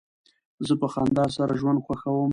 زه په خندا سره ژوند خوښوم.